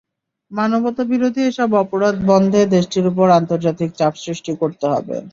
মানবতাবিরোধী এসব অপরাধ বন্ধে দেশটির ওপর আন্তর্জাতিক চাপ সৃষ্টি করতে হবে।